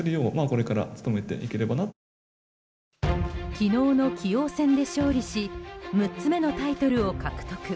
昨日の棋王戦で勝利し６つ目のタイトルを獲得。